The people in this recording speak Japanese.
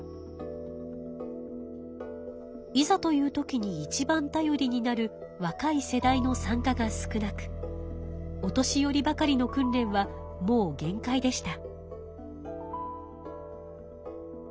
いざという時にいちばん頼りになるわかい世代の参加が少なくお年寄りばかりの訓練はもう限界でした。